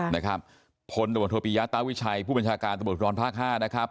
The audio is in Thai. นะครับพลตมธปียะตาวิชัยผู้บัญชาการตมธุรกรรมภาค๕นะครับ